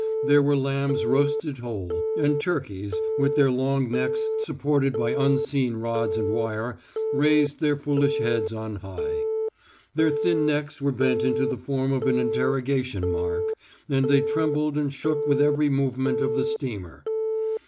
There were lambs roasted whole, and turkeys, with their long necks supported by unseen rods and wire, raised their foolish heads on high. Their thin necks were bent info the form of an interrogation mark, and they trembled and shook with every movement of the steamer.